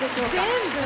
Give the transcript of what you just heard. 全部。